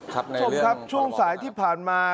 ชุมครับช่วงสายที่ผ่านมา